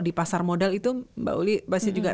di pasar modal itu mbak uli pasti juga